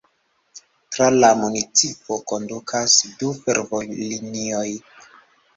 Tra la municipo kondukas du fervojlinioj.